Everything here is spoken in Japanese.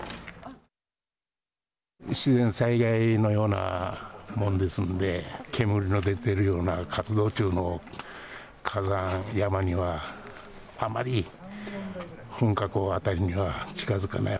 自然災害のようなもんですもんで煙の出ているような活動というの火山山にはあんまり噴火口辺りには近づかない。